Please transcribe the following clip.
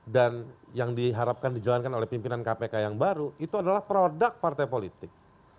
dan yang diharapkan dijalankan oleh pimpinan kpk yang baru itu adalah produk partai politik